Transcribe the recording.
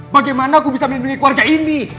bagaimana aku bisa melindungi keluarga ini